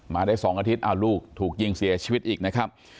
มาได้๒อาทิตย์ลูกถูกยิงเสียชีวิตอีกนะครับ